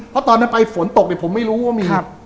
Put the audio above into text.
เพราะตอนนั้นไปฝนตกเนี่ยผมไม่รู้ว่ามี